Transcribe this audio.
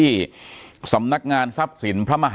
หมุมสำนักงานศัพท์ศิลป์ภมาฮาใจ